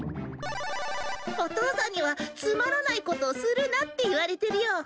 お父さんにはつまらないことをするなって言われてるよ。